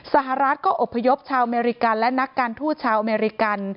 สหรัฐก็อบพยพชาวอเมริกันและนักการทูตชาวอเมริกัน